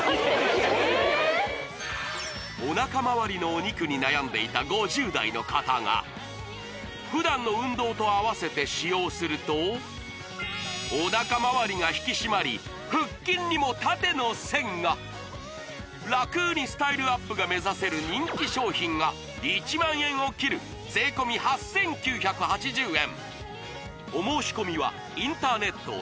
おなかまわりのお肉に悩んでいた５０代の方が普段の運動とあわせて使用するとおなかまわりが引き締まり腹筋にも縦の線が楽にスタイルアップが目指せる人気商品が１万円を切る税込８９８０円